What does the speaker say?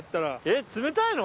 っ冷たいの？